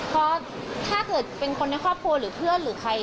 เพราะถ้าเกิดเป็นคนในครอบครัวหรือเพื่อนหรือใคร